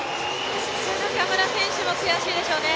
中村選手も悔しいでしょうね。